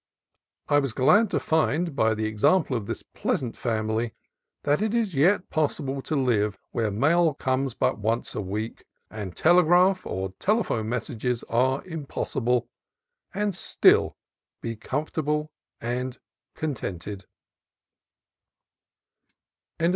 I was glad to find, by the example of this pleasant family, that it is yet possible to live where mail comes once a week, and telegraph or telephone messages are impossible, and still be comfortable and contented.